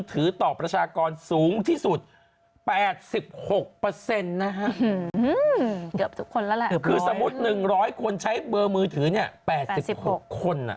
คือสมมุติ๑๐๐คนใช้เบอร์มือถือเนี่ย๘๖คน